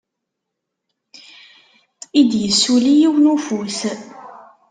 I d-isuli yiwen n ufus.